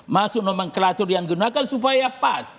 masuk nomenklatur yang digunakan supaya pas